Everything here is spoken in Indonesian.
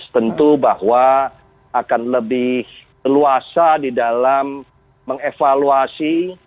tentu bahwa akan lebih leluasa di dalam mengevaluasi